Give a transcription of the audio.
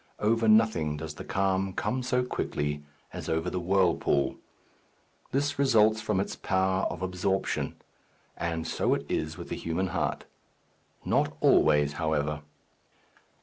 Over nothing does the calm come so quickly as over the whirlpool. This results from its power of absorption. And so it is with the human heart. Not always, however.